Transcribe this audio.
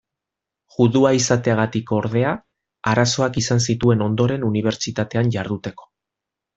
Judua izateagatik, ordea, arazoak izan zituen ondoren unibertsitatean jarduteko.